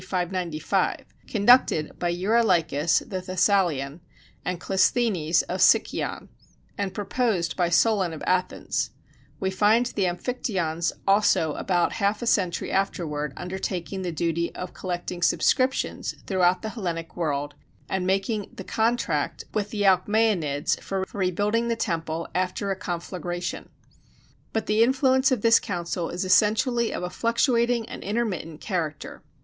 595, conducted by Eurolychus the Thessalian, and Clisthenes of Sicyon, and proposed by Solon of Athens: we find the Amphictyons also about half a century afterward undertaking the duty of collecting subscriptions throughout the Hellenic world, and making the contract with the Alcmæonids for rebuilding the temple after a conflagration. But the influence of this council is essentially of a fluctuating and intermittent character.